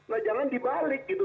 nah jangan dibalik gitu